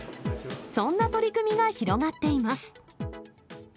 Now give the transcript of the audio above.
そんな取り組みが広がっています。